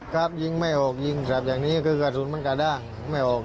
ครับยิงไม่ออกยิงสลับอย่างนี้คือกระสุนมันกระด้างไม่ออก